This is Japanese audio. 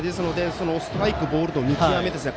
ストライク、ボールの見極めですね。